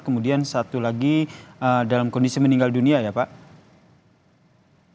kemudian satu lagi dalam kondisi meninggal dunia ya pak